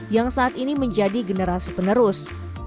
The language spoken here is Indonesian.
yang saat ini menjadi generasi penerus